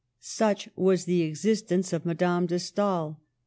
Such was the existence of Madame de Stael.